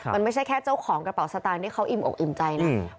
มันไม่ใช่แค่เจ้าของกระเป๋าสตางค์ที่เขาอิ่มอกอิ่มใจนะ